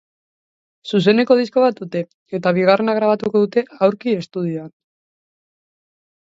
Zuzeneko disko bat dute eta bigarrena grabatuko dute, aurki, estudioan.